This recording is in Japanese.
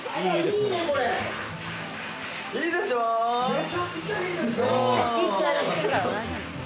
めちゃくちゃいいです。